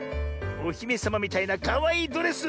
おひめさまみたいなかわいいドレス！